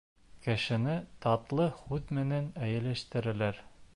Кешене татлы һүҙ менән эйәләштерәләр.